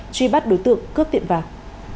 truy bắt đối tượng cướp tiệm vàng